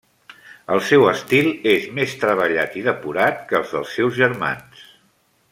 El seu estil és més treballat i depurat que el dels seus germans.